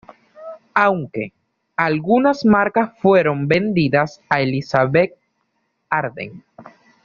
Aunque, algunas marcas fueron vendidas a Elizabeth Arden.